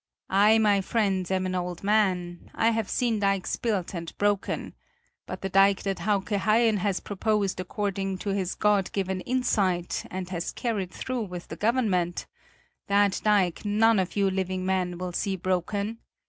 I, my friends, am an old man; I have seen dikes built and broken; but the dike that Hauke Haien has proposed according to his God given insight and has carried through with the government that dike none of you living men will see broken.